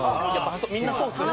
みんなそうですよね。